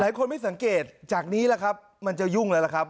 หลายคนไม่สังเกตจากนี้มันจะยุ่งแล้วนะครับ